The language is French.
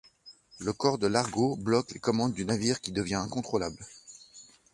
Le corps de Largo bloque les commandes du navire qui devient incontrôlable.